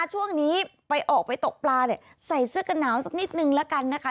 ช่วงนี้ไปออกไปตกปลาเนี่ยใส่เสื้อกันหนาวสักนิดนึงละกันนะคะ